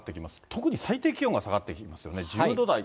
特に最低気温が下がってきますよね。